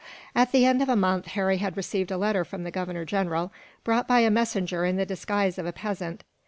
At the end of a month, Harry had received a letter from the Governor General, brought by a messenger in the disguise of a peasant.